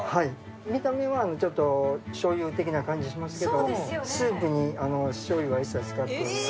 見た目はちょっとしょうゆ的な感じがしますけど、スープにしょうゆは一切使っていないんです。